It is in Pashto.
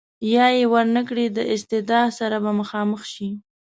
یا یې ور نه کړي د استیضاح سره به مخامخ شي.